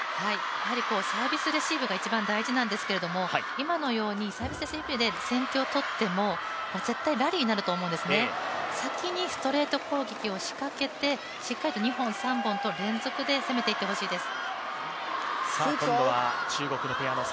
やはりサービスレシーブが一番大事なんですけれども今のようにサービスレシーブで先手を取っても絶対ラリーになると思うんですね、先にストレート攻撃を仕掛けて、しっかりと２本、３本と連続で攻めていってほしいです。